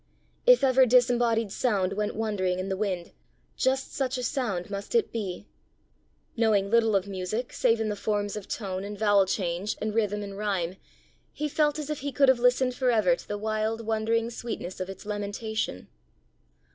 If ever disembodied sound went wandering in the wind, just such a sound must it be! Knowing little of music save in the forms of tone and vowel change and rhythm and rime, he felt as if he could have listened for ever to the wild wandering sweetness of its lamentation.